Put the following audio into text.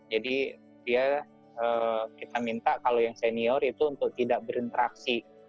jadi dia kita minta kalau yang senior itu untuk tidak berinteraksi